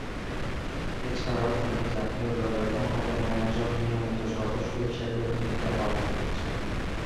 এছাড়াও তিনি জাতীয় দলের অন্যতম একজন নিয়মিত সদস্য হিসেবে ভূমিকা পালন করছেন।